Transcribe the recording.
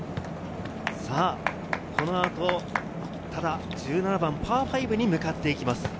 この後、ただ、１７番パー５に向かっていきます。